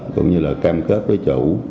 cũng như là cam kết với chủ